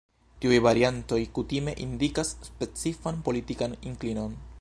Tiuj variantoj kutime indikas specifan politikan inklinon.